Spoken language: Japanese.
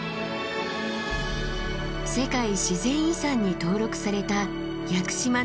世界自然遺産に登録された屋久島のシンボル！